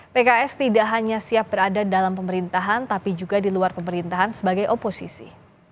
pks tidak hanya siap berada dalam pemerintahan tapi juga di luar pemerintahan sebagai oposisi